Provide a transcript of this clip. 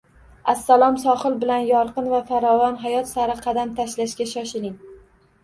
Assalom Sohil bilan yorqin va farovon hayot sari qadam tashlashga shoshiling!